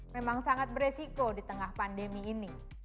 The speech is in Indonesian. memang sangat beresiko di tengah pandemi ini